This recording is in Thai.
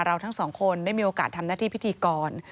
ทั้งสองคนได้มีโอกาสทำหน้าที่พิธีกร